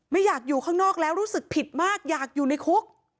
ไม่อยากอยู่ข้างนอกแล้วรู้สึกผิดมากอยากอยู่ในคุก